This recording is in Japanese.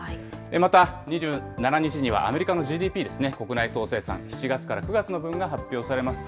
また２７日にはアメリカのＧＤＰですね、国内総生産７月から９月までのＧＤＰが発表されます。